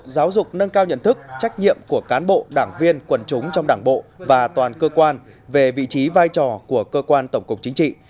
giáo dục nâng cao nhận thức trách nhiệm của cán bộ đảng viên quần chúng trong đảng bộ và toàn cơ quan về vị trí vai trò của cơ quan tổng cục chính trị